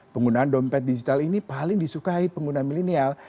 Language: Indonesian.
penggunaan dompet digital ini paling disukai pengguna milenial